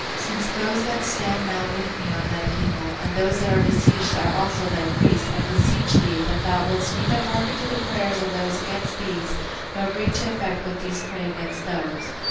since those that stand now with me are thy people, and those that are besieged are also thy priests, I beseech thee, that thou wilt neither hearken to the prayers of those against these, nor bring to effect what these pray against those."